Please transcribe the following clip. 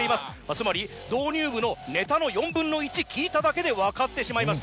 つまり導入部のネタの４分の１聞いただけで分かってしまいました。